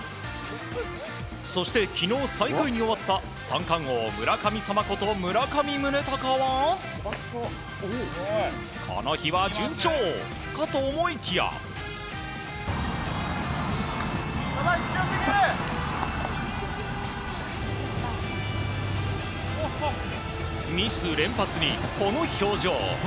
そして昨日、最下位に終わった三冠王、村神様こと村上宗隆はこの日は順調かと思いきやミス連発に、この表情。